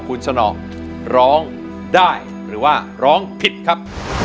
คุณสนองร้องได้หรือว่าร้องผิดครับ